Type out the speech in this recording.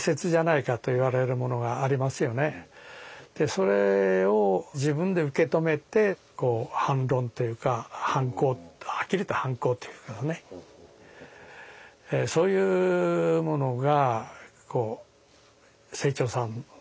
それを自分で受け止めて反論というかはっきりと反抗というけどねそういうものが清張さん